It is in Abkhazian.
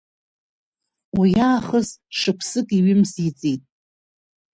Уиаахыс шықәсыки ҩымзи ҵит.